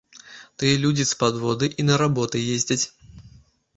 Тыя людзі з падводы і на работы ездзяць.